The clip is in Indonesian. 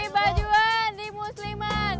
di bajuan di musliman